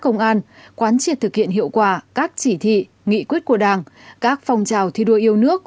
công an quán triệt thực hiện hiệu quả các chỉ thị nghị quyết của đảng các phong trào thi đua yêu nước